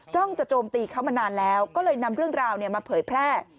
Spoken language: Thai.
้องจะโจมตีเขามานานแล้วก็เลยนำเรื่องราวมาเผยแพร่